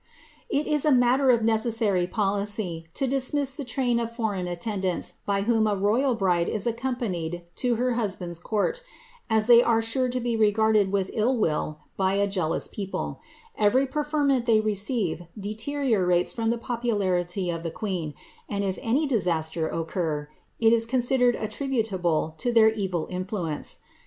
* It if a matter of necenaary policy to dismiai the train offore^n atten dants by whom a royal bride if accompanied to her hoabaiMrs cowt, aa they are sure to be regarded with ill will by a jealona people ; every preferment they receive deteriorates from the popularity of the queen, and if any disaster occur, it is considered attributable to their evil influ pnee.